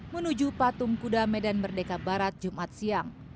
menuju patung kudamedan merdeka barat jumat siang